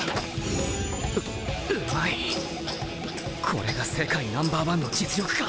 これが世界ナンバー１の実力か。